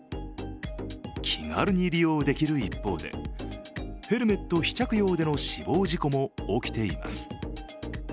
気軽に利用できる一方でヘルメット非着用での死亡事故も起きています。